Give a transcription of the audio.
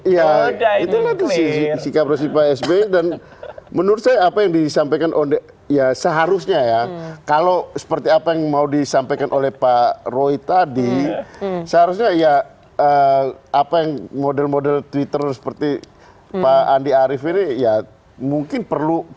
ya itulah sikap resmi pak sby dan menurut saya apa yang disampaikan ya seharusnya ya kalau seperti apa yang mau disampaikan oleh pak roy tadi seharusnya ya apa yang model model twitter seperti pak andi arief ini ya mungkin perlu